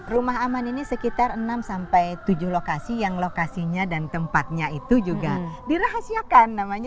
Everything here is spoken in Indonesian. rumah aman ini sekitar enam sampai tujuh lokasi yang lokasinya dan tempatnya itu juga dirahasiakan namanya